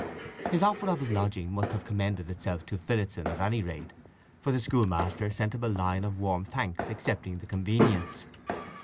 His offer of his lodging must have commended itself to Phillotson at any rate, for the schoolmaster sent him a line of warm thanks, accepting the convenience.